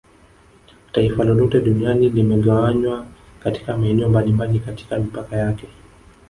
Taifa lolote duniani limegawanywa katika maeneo mbalimbali katika mipaka yake